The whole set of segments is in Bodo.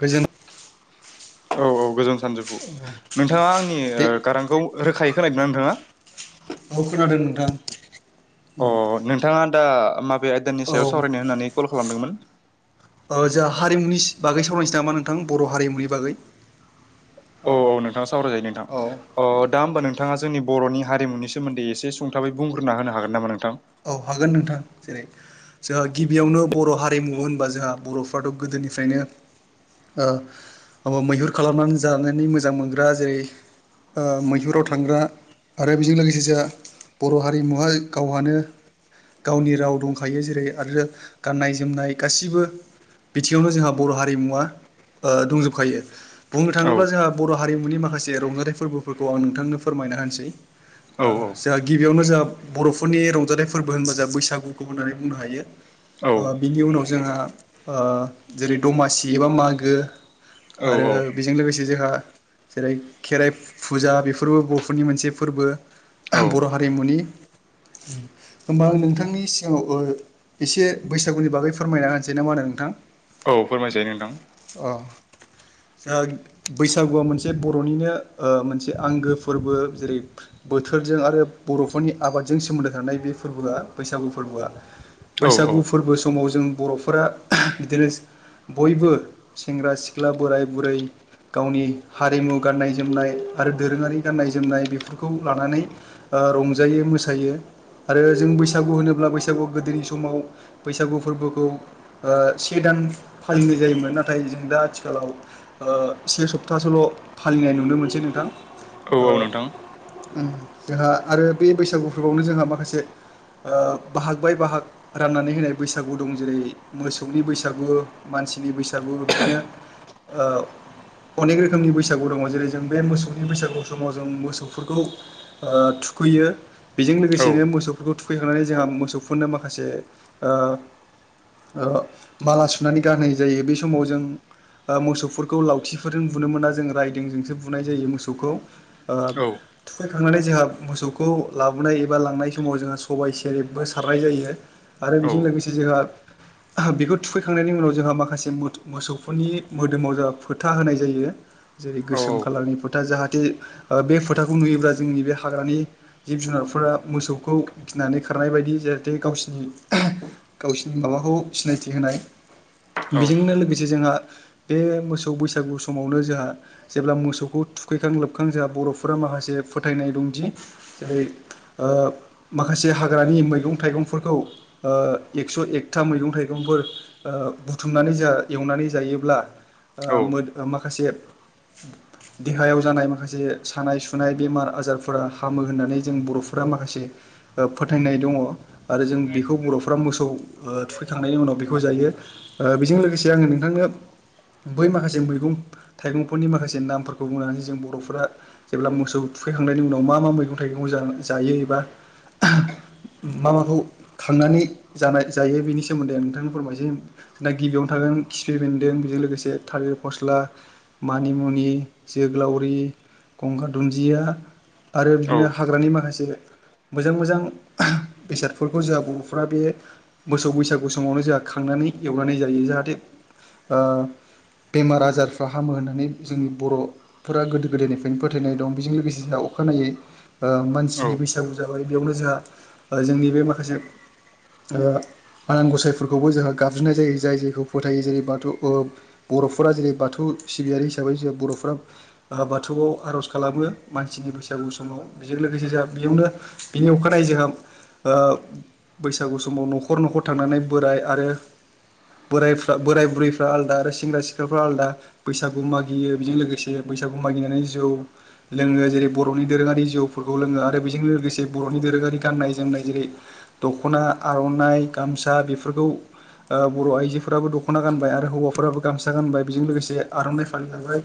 गोजोन औ औ गोजोन सानजौफु नोंथाङा आंनि दे गारांखौ रोखायै खोनादों ना नोंथाङा? ओं। अ नोंथाङा आ दा माबे आयदानि औ सायाव सावरायनो होननानै कल खालामदोंमोन अ जोंहा हारिमुनि बागै सावरायनोसै नामा नोंथां बर' हारिमुनि बागै औ औ नोंथां सावरायजायो नोंथां औ दा होमबा नोंथां थाङा जोंनि बरनि हारिमुनिसोमोन्दै एसे सुंथाबै बुंग्रोना होनो हागोन नामा नों औ हागोन नोंथां जेरै जोंहा गिबियावनो बर' हारिमु होनना होमबा जोंहा बर'फ्राथ गोदोनिफ्रायनो मैहुर खालामनानै जानानै मोजां मोनग्रा जेरै ओ मैहुराव थांग्रा आरो बेजों लोगोसे जों बर' हारिमुहाय गावहानो गावनि राव दंखायो जेरै आरो गाननाय जोमनाय गासिबो बिथिङावनो जोंहा बर' हारिमुवा दंजोबखायो बुंनो औ थाङोब्ला जोंहा बर' हारिमुनि माखासे रंजानाय फोरबोफोरखौ आं नोंथांनो फोरमाय होना होनसै औ ओ जोहा गिबियावनो जोहा बर'फोरनि रंजालि फोरबो होनबा जोहा बैसागुखौ होननानै बुंनो हायो औ ओ बिनि उनाव जोंहा ओ जेरै दमासि एबा मागो औ आरो बेजों लोगोसे जोंहा जेरै खेराइ फुजा बेफोरबो बर'फोरनि मोनसे फोरबो औ बर' हारिमुनि होमबा आं नोंथांनि सिगाङाव एसे बैसागुनि बागै फोरमायना होनसै नामा होनो नोंथां? औ फोरमायजायो नोंथां। अ जोंहा बैसागुआ मोनसे बर'निनो ओ मोनसे आंगो फोरबो जेरै बोथोरजों आरो बर'फोरनि आबादजों सोमोन्दो थानाय बे फोरबोआ बैसागु फोरबोआ औ औ बैसागु फोरबो समाव जों बर'फोरा बिदिनो बयबो सेंग्रा सिख्ला बोराय बुरै गावनि हारिमु गाननाय जोमनाय आरो दोरोङारि गाननाय जोमनाय बेफोरखौ लानानै ओ रंजायो मोसायो। आरो जों बैसागु होनोब्ला बैसागु गोदोनि समाव बैसागु फोरबोखौ ओ से दान फालिनाय जायोमोन नाथाय जों दा आथिखालाव ओ से सप्तासोल' फालिनाय नुनो मोनो सै नोंथां। औ औ ओ नोंथां। जोंहा आरो बे बैसागु फोरबोआवनो जोंहा माखासे ओ बाहाग बाय बाहाग राननानै होनाय बैसागु दं जेरै मोसौनि बैसागु मानसि नि बैसागु बिदिनो ओ अनेक रोखोमनि बैसागु दङ जेरै जों बे मोसौनि बैसागु समाव जों मोसौफोरखौ थुखैयो बेजों औ लोगोसे बे मोसौ खौ थुखैखांनानै जोंहा मोसौफोरनो माखासे ओ ओ माला सुनानै गानहोनाय जायो बे समाव जों ओ मोसौफोरखौ लावथिफोरजों बुनो मोना जों रायदों जोंसो बुनाय जायो मोसौखौ। ओ औ थुखायखांनानै जोंहा मोसौखौ लाबोनाय एबा लांनाय समाव जोंहा सबाय सेरेबबो सारनाय जायो आरो औ बेजों लोगोसे जोंहा बेखौ थुखैखांनायनि उनाव जोंहा माखासे मोथौ मोसौफोरनि मोदोमाव जोंहा फोथा होनाय जायो। जेरै औ गोसोम खाालारनि फोथा जाहाथे ओ बे फोथाखौ नुयोब्ला जोंनि बे हाग्रानि जिब जु जुनारफोरा मोसौखौ गिनानै खारनाय बायदि जाहाथे गावसिनि गावसिनि माबाखौ सिनायथि होनाय बेजोंनो लोगोसे जोंहा बे मोसौ बैसागु समावनो जोंहा जेब्ला मोसौखौ थुखैखां लोबखां जोंहा बर'फोरा माबा माखासे फोथायनाय दंदि जेरै ओ माखासे हाग्रानि मैगं थाइगंफोरखौ ओ एक्स' एकथा मैगं थाइगंफोर ओ बुथुमनानै जोंहा एवनानै जायोब्ला औ ओ माखासे देहायाव जानाय माखासे सानाय सुनाय बेमार आजारफोरा हामो होननानै जों बर'फोरा माखासे फोथायनाय दङ आरो जों बेखौ बर'फ मोसौ थुखैखांनायनि उनाव बेखौ जायो। बेजों लोगोसे आङो नोंथांनो बै माखासे मैगं थाइगंफोरनि माखासे नामफोरखौ बुंनानै जों बर'फोरा जेब्ला मोसौ थुखैखांनायनि उनाव मा मा मैगं थाइगं जा जायो एबा [inaudible] मा माखौ खांनानै जानाय जायो बिनि सोमोन्दै आं नोंथांनो फोरमायनोसै दा गिबियावनो थागोन खिफि बेन्दों जों लोगोसे थालिर फस्ला मानिमुनि जोग्लावरि गंगार दुन्जिया आरो बिदिनो हाग्रानि माखासे मोजां मोजां बेसादफोरखौ जोंहा बर'फोरा बे मोसौ बैसागु समावनो जोंहा खांनानै एवनानै जायो जाहाथे ओ बेमार आजारफ्रा हामो होननानै जोंनि बर'फोरा गोदो गोदायनिफ्रायनो फोथायनाय दं बेजों लोगोसे जोंनाव अखानायै ओ मानसिनि औ बैसागु जाबाय बेयावनो जोंहा जोंनि बे माखासे ओ आनान गसायफोरखौबो जोंहा गाबज्रिनाय जायो जाय जायखौ फोथायो जेरै बाथौ ओ बर'फोरा जेरै बाथौ सिबियारि हिसाबै जोंहा बर'फ्रा बाथौआव आर'ज खालामो मानसिनि बैसागु समाव बेजों लोगोसे जोंहा बेयावनो बिनि अखानायै जोंहा ओ बैसागु समाव न'खर न'खर थांनानै बोराय आरो बोरायफ्रा बोराय बुरैफ्रा आलदा आरो सेंग्रा सिख्लाफ्रा आलदा बैसागु मागियो बेजों लोगोसे बैसागु मागिनानै जौ लोङो जेरै बर'नि दोरोङारि जौफोरखौ लोङो आरो बेजों लोगोसे बर'नि दोरोङारि गाननाय जोमनाय जेरै दख'ना आर'नाइ गामसा बेफोरखौ ओ बर' आइजोफोराबो दख'ना गानबाय आरो हौवाफोराबो गामसा गानबाय बेजों लोगोसे आर'नाइ फालि लाबाय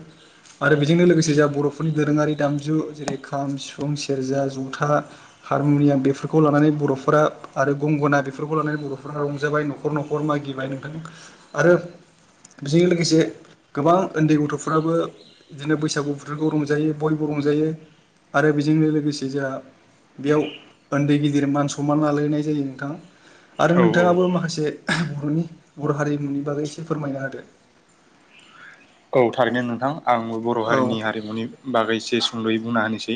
आरो बेजोंनो लोगोसे जोंहा बर'फोरनि दोरोङारि दामजु जेरै खाम सिफुं सेरजा जथा हारमुनियाम बेफोरखौ लानानै बर'फोरा आरो गंगोना बेफोरखौ लानानै बर'फोरा रंजाबाय न'खर न'खर मा गिबाय नोंथां आरो बेजों लोगोसे गोबां उन्दै गथ'फ्राबो बिदिनो बैसागु बोथोरखौ रंजायो बयबो रंजायो आरो बेजोंनो लोगोसे जोंहा बेयाव उन्दै गिदिर मान सनमान लालानाय जायो नोंथां आरो औ औ नोंथाङाबो माखासे बर'नि बर' हारिमुनि बागै एसे फोरमायना होदो औ थारैनो नोंथां आंबो बर' औ हारिनि हारिमुनि बागै एसे सुंद'यै बुंना होनोसै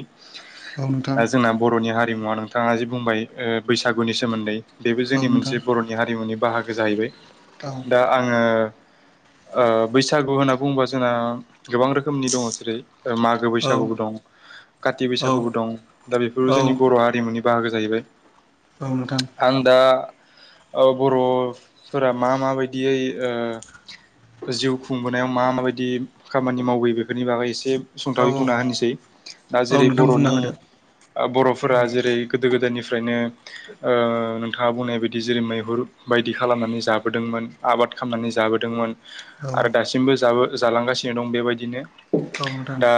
औ नोंथां दा जोंना बर'नि हारिमुवा नोंथाङा जि बुंबाय ओ बैसागुनि सोमोन्दै बेबो औ जोंनि नोंथां मोनसे बर'नि हारिमुनि बाहागो जाहैबाय औ दा आङो ओ बैसागु होनना बुङोबा जोंना गोबां रोखोमनि दङ जेरै मागो औ बैसागुबो दं काति औ बैसागुबो दं दा औ बेफोरखौबो जों जोंनि बर' हारिमुनि बाहागो जाहैबाय औ नोंथां आं दा ओ बर'फोरा मा मा बायदियै ओ जिउ खुंबोनायाव मा माबायदि खामानि मावबोयो बेफोरनि बागै एसे औ सुंथावै बुंना होनोसै दा औ जेरै नोंथां बुंना बर'नि होदो बर'फोरा जेरै गोदो गोदायनि निफ्रायनो ओ नोंथाङा बुंनाय बायदि जेरै मैहुर बायदि खालामनानै जाबोदोंमोन आबाद खालामनानै जाबोदोंमोन औ आरो दासिमबो जाबो जालांगासिनो दं बेबायदिनो औ नोंथां दा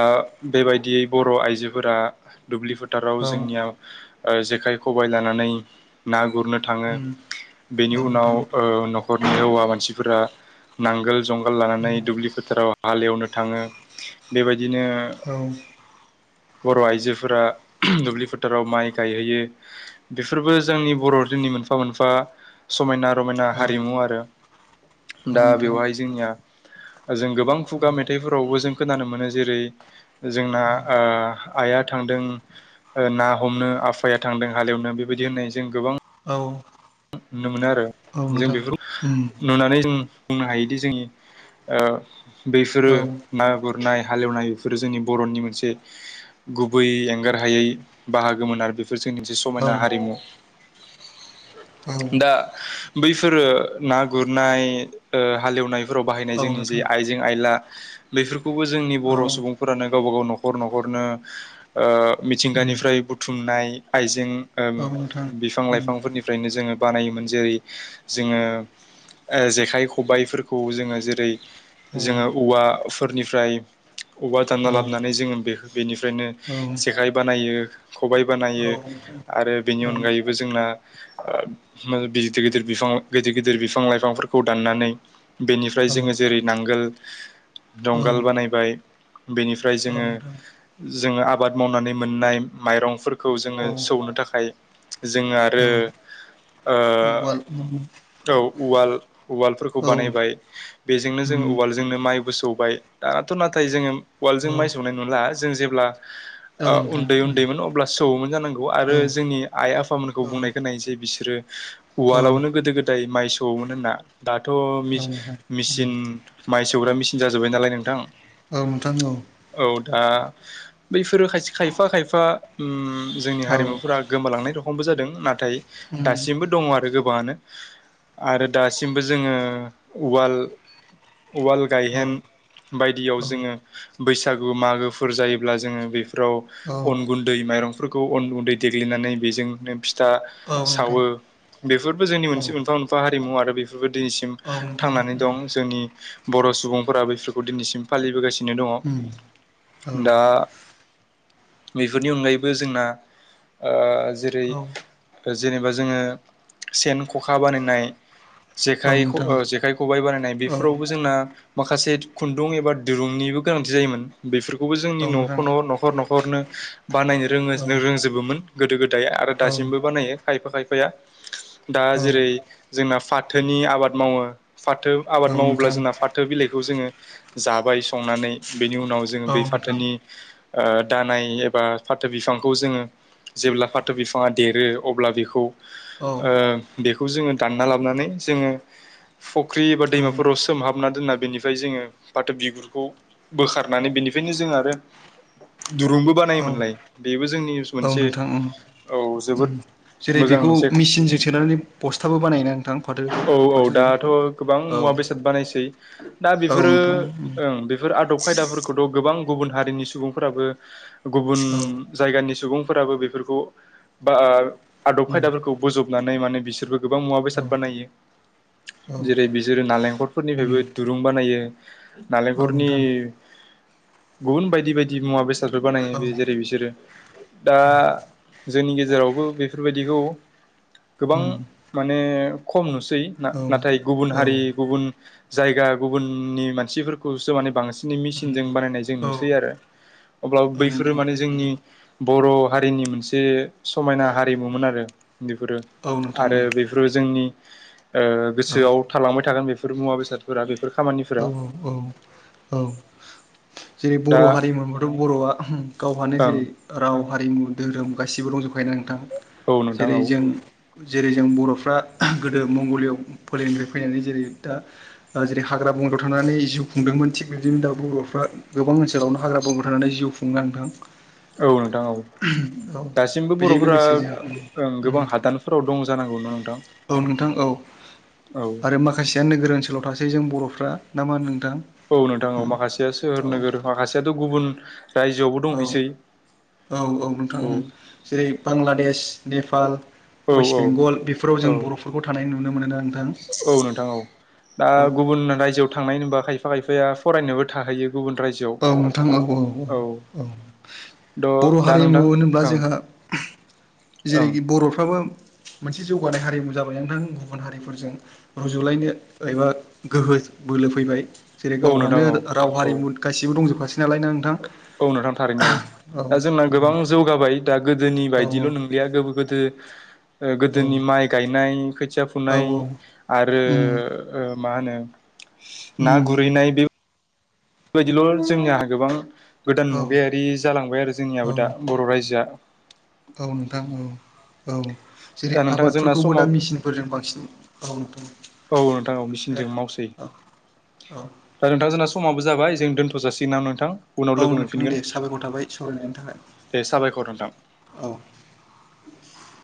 बेबायदियै बर' आइजोफोरा दुब्लि औ फोथाराव जोंनिया जेखाय खबाइ लानानै ना गुरनो थाङो उम औ बेनि उनाव नोंथां ओ न'खर औवा मानसिफोरा नांगोल जुंगाल लानानै उम फुलि फोथाराव हालेवनो थाङो बेबायदिनो औ बर' आइजोफोरा दुब्लि फोथाराव माइ गायहैयो बेफोरबो जोंनि बर' नि मोनफा मोनफा समायना रमायना औ हारिमु आरो औ दा नोंथां बेवहाय जोंनिया जों गोबां औ खुगा मेथाइफोरावबो जों खोनानो मोनो जेरै जोंना औ ओ आइआ थांदों ना हमनो आफाया थांदों हालेवनो बेबायदि होननाय जों गोबां औ नुनो मोनो आरो औ जों नोंथां बेफोरखौ उम नुनानै जों बुंनो हायोदि जोंनि ओ औ बैफोरो ना गुर नाय हालेवनाय बेफोरो जोंनि बर'नि मोनसे गुबै एंगार हायै बाहागोमोन आरो बेफोर बेफोर जोंनि मोनसे औ समायना हारिमु औ दा बैफोरो ना गुरनाय हालेवनाय फोराव बाहायनाय जोंनि जे नोंथां आइजें - आइला बेफोरखौबो जोंनि औ बर' सुबुंफोरानो गावबा गाव न'खर- न'खरनो उम मिथिंगानिफ्राय बुथुमनाय आइजें औ नोंथां बिफां- उम लाइफांफोरनि जोङो बानायोमोन जेरै- जोङो जेखाइ, खबाइफोरखौ जोङो जेरै औ जोङो औवाफोरनिफ्राय अबावबा दानना औ लाबोनानै जोङो बे बेनिफ्रायनो औ औ जेखाइ बानायो खबाइ बानायो नोंथां आरो बेनि औ अनगायैबो जोंना गिदिर- गिदिर बिफां गिदिर- गिदिर बिफां -लाइफांफोरखौ दाननानै बेनिफ्राय जोङो जेरै नांगोल जंगाल बानायबाय बेनिफ्राय जोङो नोंथां जोङो आबाद मावनानै मोननाय माइरंफोरखौ औ जोङो सौनो थाखाय जो औ आरो उवाल औ उवाल उवालफोरखौ औ बानायबाय बेजोंनो जों उम उवालजोंनो माइबो सौबाय दाथ' नाथाय जोङो औ उवालजों माइ सौनाय नुला जों जेब्ला औ नोंथां उन्दै उम -उन्दैमोन अब्ला सौओमोन जानांगौ औ आरो जोंनि आइ आफामोन औ बुंनाय खोनायो जे बिसोरो औ उवालावनो गोदो -गोदाय माइ सौवोमोन होनना दाथ' औ मेसिन नोंथां उम मेसिन माइ सौग्रा मेसिन जाजोब्बाय नालाय नोंथां औ नोंथां औ औ दा बैफोरो खायफा खायफा जोंनि औ हारिमुफोरा गोमालांनाय दं खमबो जादों नाथाय उम दासिमबो दङ आरो गोबाङानो आरो दासिमबो जोङो उवाल उवाल औ गायहेन बायदियाव औ जोङो बैसागु मागोफोर जायोब्ला जोङो बे फ्राव अन गुन्दै माइरंफोरखौ अन गुन्दै देग्लिनानै बेजोंनो फिथा औ नोंथां सावो बेफोरबो जोंनि औ मोनसे मोनफा- मोनफा हारिमु आरो बे दिनैसिम औ नोंथां थांनानै उम दं जोंनि बर' सुबुंफोरा बेफोरखौ दिनैसिम फालिबोगासिनो दङ उम औ दा बेफोरनि अनगायैबो जोंना जेरै औ जेनेबा जोङो सेन, ख'खा बानायनाय जेखाइ, नोंथां जेखाइ, खबाइ बानायनाय औ बेफोरावबो जोंना माखासे खुन्दुं एबा दिरुंनिबो गोनांथि जायोमोन बेफोरखौबो जोंनि औ न'खरनि नोंथां न'खर -न'खर न'खरनो बानायनो रोङो औ रोंजोबोमोन गोदो- गोदाय आरो औ औ दासिमबो बानायो खायफा खायफाया दा औ जेरै जोंना फाथोनि आबाद मावो फाथो आबाद मावोब्ला नोंथां जोंना फाथो बिलाइखौ जोङो जाबाय संनानै बेनि उनाव जोङो औ बै नोंथां फाथोनि दानाय एबा फाथो बिफांखौ जोङो जेब्ला फाथो बिफां बिफाङा देरो अब्ला औ बे जोङो दानना लाबोनानै जोङो फख्रि एबा दैमाफोराव सोमहाबना दोनना बेनिफ्राय जोङो फाथो बिगुरखौ बोखारनानै बेनिफ्रायनो जों आरो दुरुंबो औ बानायोमोनलाय बेबो जोंनि औ मोनसे नोंथां उम औ जोबोद जेरै मोजां बेखौ मोनसे मिसिनजों सोनानै बस्थाबो बानायोना नोंथां फाथोखौ औ औ फाथो दाथ दिरुंखौ गोबां मुवा औ - बेसाद बानायसै दा औ बेफोरो नोंथां बेफोर आदब खायदाफोरखौथ' गोबां गुबुन हारिनि सुबुंफोराबो गुबुन औ जायगानि सुबुंफोराबो बेफोरखौ बा आदब उम खायदाफोरखौ बोजबनानै माने बिसोरबो गोबां मुवा- औ बेसाद बानायो औ जेरै बिसोरो नालेंखरफोरनिफ्रायबो उम दुरुं बानायो औ नालेंखरनि नोंथां गुबुन बायदि बायदि मुवा -बेसाद फोर बानायो औ बे जेरै बिसोरो दा जोंनि गेजेरावबो बेफोरबायदिखौ गोबां उम माने खम नुसै औ नाथाय गुबुन औ हारि गुबुन जायगा गुबुननि मानसिफोरखौसो माने बांसिन उम मेसिनजों बानायनाय जों औ नुसै आरो अब्ला औ बैफोरो नोंथां माने जोंनि बर' हारिनि मोनसे समायना हारिमुमोन आरो बेफोरो औ नोंथां आरो बेफोरो जोंनि औ गोसोआव थालांबाय थागोन बेफोर मुवा बेसादफोरा बे औ -औ- औ- औ जेरै दा बर' हारिमोनबाथ' बर'आ गावहानो ओं जेरै राव हारिमु धोरोम गासिबो रंज'खायो ना नोंथां औ नोंथां औ जेरै जों जेरै जों बर'फ्रा गोदो मंगलिय' फोलेरनिफ्राय फैनानै जेरै दा जेरै हाग्रा बंग्रायाव थानानै जिउ खुंदोंमोन थिग बिदिनो दा बर'फ्रा गोबां ओनसोलावनो हाग्रा बंग्रायाव थानानै जिउ खुं- दों औ नोंथां औ दासिमबो बेजों बर'फोरा लोगोसे जोंहा गोबां हादानफोराव दं जानांगौ ना नोंथां औ नोंथां औ औ आरो माखासेया नोगोर ओनसोलाव थासै जों बर'फ्रा ना मा होनो नोंथां औ नोंथां औ माखासेया सोहोर नोगोर माखासेयाथ' गुबुन रायजोआवबो दंहैसै औ-औ-औ नोंथां औ उम जेरै बांलादेश नेपाल औ वेस्ट औ बेंगल बेफोराव औ जों बर'फोरखौ थानाय नुनो मोनोना नोंथां औ नोंथां औ दा औ गुबुन रायजोआव थांनाय नुबा खायफा खायफाया फरायनोबो थाहैयो गुबुन औ रायजोआव नोंथां औ- औ -औ द' बर' दा हारिमु नोंथां होनोब्ला जोंहा ओं ओं जेरैखि बर'फ्राबो मोनसे जौगानाय हारिमु जाबाय नोंथां गुबुन हारिफोरजों रुजुलायनो एबा गोहो बोलो फैबाय जेरै औ नोंथां गावहानो औ राव औ हारिमु गासिबो दंजोबखासै नालाय ना नोंथां औ नोंथां थारैनो औ दा जोंना गोबां जौगाबाय दा गोदोनि औ बायदिल' नंलिया गोबो गोदो औ गोदोनि माइ गायनाय खोथिया औ फुनाय आरो उम ओह मा होनो ना उम गुरहैनाय बे बेबायदिल' जोंनियाहा गोबां गोदान औ मुगायारि जालांबाय आरो औ जोंनियाबो दा बर' रायजोआ औ नोंथां औ औ दा जेरै नोंथां जोंना आबादफोरखौबो समाव दा मेसिनफोरजों बांसिन औ नोंथां औ नोंथां दे मेसिनजों मावसै औ औ दा नोंथां जोंना समाबो जाबाय दोनथ' जासिगोनामा नोंथां उनाव औ लोगो नोंथां दे मोनफिनगोन साबायखर थाबाय सावरायनायनि थाखाय दे साबायखर नोंथां [inaudible] औ [unintelligible]